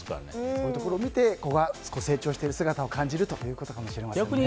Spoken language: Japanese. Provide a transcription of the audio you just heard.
そういうところを見て子が成長している姿を感じるということかもしれませんね。